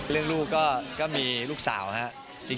เรื่องลูกก็มีลูกสาวครับ